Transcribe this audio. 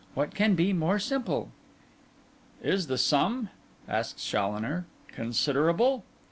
What can be more simple?' 'Is the sum,' asked Challoner, 'considerable?